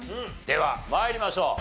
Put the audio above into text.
では参りましょう。